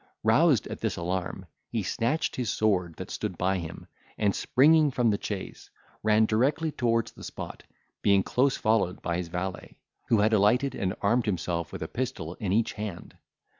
Roused at this alarm, he snatched his sword that stood by him, and springing from the chaise, ran directly towards the spot, being close followed by his valet, who had alighted and armed himself with a pistol in each hand.